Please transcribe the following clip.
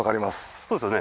そうですよね。